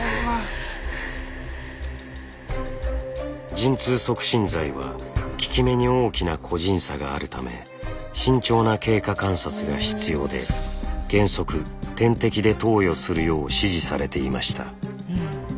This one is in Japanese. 陣痛促進剤は効き目に大きな個人差があるため慎重な経過観察が必要で原則点滴で投与するよう指示されていました。